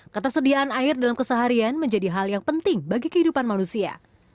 ketersediaan air dalam keseharian menjadi hal yang penting bagi kehidupan manusia